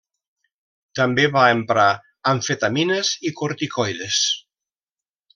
També va emprar amfetamines i corticoides.